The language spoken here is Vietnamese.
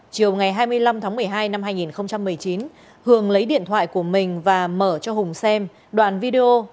chiều ngày hai mươi năm tháng một mươi hai năm hai nghìn một mươi chín hường lấy điện thoại của mình và mở cho hùng xem đoạn video